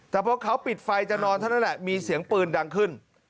แต่พอเขาปิดไฟจะนอนเท่านั้นแหละมีเสียงปืนดังขึ้น